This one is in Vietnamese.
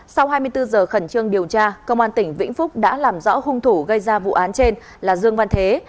sau hai mươi bốn giờ khẩn trương điều tra công an tỉnh vĩnh phúc đã làm rõ hung thủ gây ra vụ án trên là dương văn thế